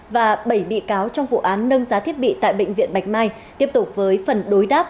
và bảy bị cáo trong vụ án nâng giá thiết bị tại bệnh viện bạch mai tiếp tục với phần đối đáp